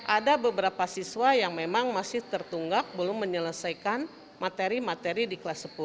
ada beberapa siswa yang memang masih tertunggak belum menyelesaikan materi materi di kelas sepuluh